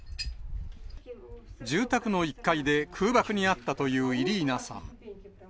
住宅の１階で空爆にあったというイリーナさん。